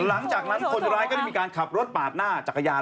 หลังจากนั้นคนร้ายก็ได้มีการขับรถปาดหน้าจักรยาน